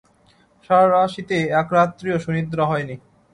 সারা শীতে এক রাত্রিও সুনিদ্রা হয়নি।